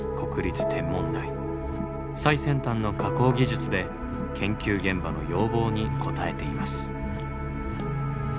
最先端の加工技術で研究現場の要望に応えています。